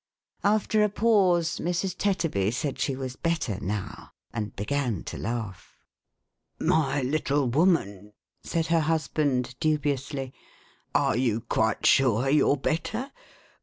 After a pause, Mi's. Tetterby said she was better now, and began to laugh. "My little woman;1 said her husband, dubiously, "are 460 THE HAUNTED MAN. you quite sure you're better?